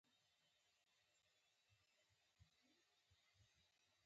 مځکه که ښه وپالل شي، زرینه ده.